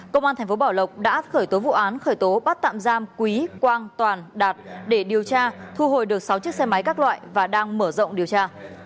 công an tp bảo lộc đã khởi tố vụ án khởi tố bắt tạm giam quý quang toàn đạt để điều tra thu hồi được sáu chiếc xe máy các loại và đang mở rộng điều tra